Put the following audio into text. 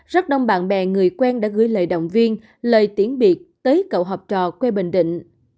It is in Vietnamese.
rất đông bạn bè người quen đã gửi lời động viên lời tiễn biệt tới cậu học trò quê bình định